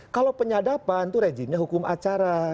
kalau penyadapan itu rejimnya hukum acara